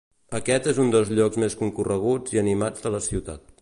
Aquest és un dels llocs més concorreguts i animats de la ciutat.